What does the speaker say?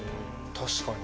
確かに。